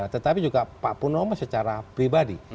tetapi juga pak purnomo secara pribadi